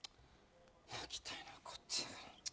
泣きたいのは、こっちだよ。